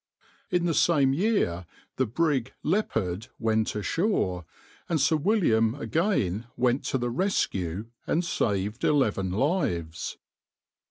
In the same year the brig {\itshape{Leopard}} went ashore, and Sir William again went to the rescue and saved eleven lives.